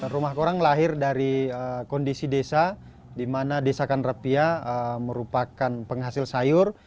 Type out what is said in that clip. rumah koran lahir dari kondisi desa di mana desa kanreapia merupakan penghasil sayur